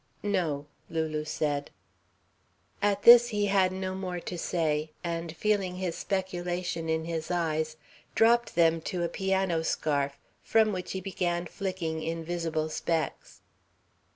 "No," Lulu said. At this he had no more to say, and feeling his speculation in his eyes, dropped them to a piano scarf from which he began flicking invisible specks.